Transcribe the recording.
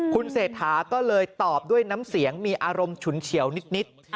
คุณเศรษฐาก็เลยตอบด้วยน้ำเสียงมีอารมณ์ฉุนเฉียวนิด